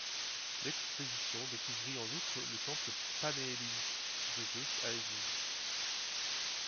L'expédition découvrit en outre le temple panhellénique de Zeus à Égine.